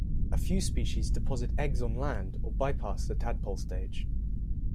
A few species deposit eggs on land or bypass the tadpole stage.